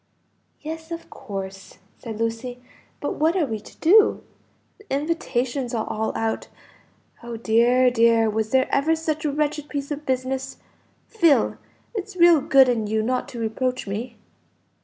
"Yes, of course," said Lucy. "But what are we to do? the invitations are all out. Oh dear, dear, was there ever such a wretched piece of business! Phil, it's real good in you not to reproach me."